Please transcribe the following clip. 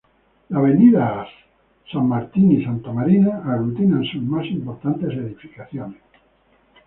Las avenidas San Martín y Santamarina aglutinan sus más importantes edificaciones.